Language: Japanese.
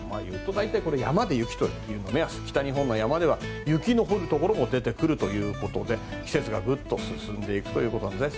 大体、山で雪という目安北日本では雪の降るところも出てくるということで季節がぐっと進んでいくということです。